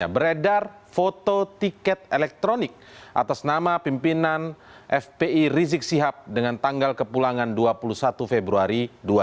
beredar foto tiket elektronik atas nama pimpinan fpi rizik sihab dengan tanggal kepulangan dua puluh satu februari dua ribu dua puluh